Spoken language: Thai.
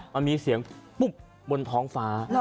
มันมีเสียงปุ๊บบนท้องฟ้า